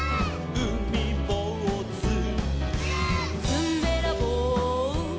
「うみぼうず」「」「ずんべらぼう」「」